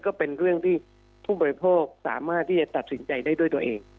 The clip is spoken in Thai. ก็เป็นเรื่องที่ผู้บริโภคสามารถที่จะตัดสินใจได้ด้วยตัวเอง